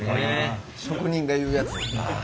職人が言うやつ。